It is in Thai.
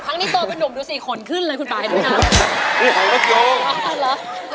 ครั้งนี้โตเป็นหนุ่มดูสิขนขึ้นเลยคุณปลาย